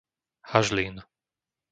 Hažlín